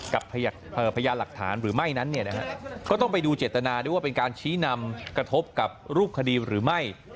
พยานหลักฐานหรือไม่นั้นก็ต้องไปดูเจตนาด้วยว่าเป็นการชี้นำกระทบกับรูปคดีหรือไม่